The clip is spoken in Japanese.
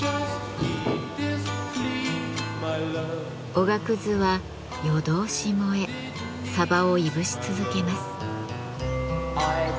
おがくずは夜通し燃えサバをいぶし続けます。